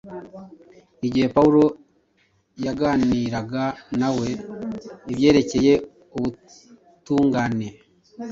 igihe Pawulo yaganiraga na we ibyerekeye ubutungane,